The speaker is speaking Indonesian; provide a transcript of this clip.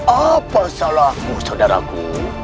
apa salahku saudaraku